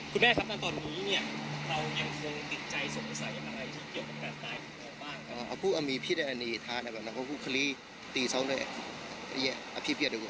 คุณแม่ครับณตอนนี้เนี่ยเรายังคงติดใจสงสัยอะไรที่เกี่ยวกับการตายของเราบ้าง